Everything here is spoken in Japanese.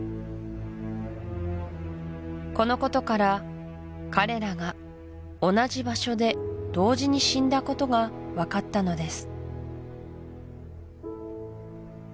このことから彼らが同じ場所で同時に死んだことが分かったのです